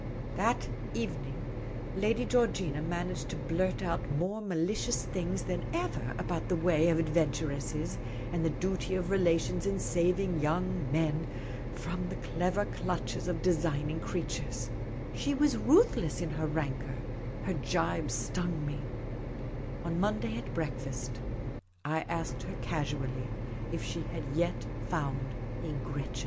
That evening I.ady Georgina managed to blurt out more The Supercilious Attach^ 53 malicious things than ever about the ways of adventuresses, and the duty of relations in saving young men from the MISS CAYLF.Y, HE SAIP, " YOU ARE PLAYING WITH ME. clever clutches of designing creatures. She was ruthless in her rancour ; her gibes stung me. On Monday at breakfast I asked her casually if she had yet found a Gretchen.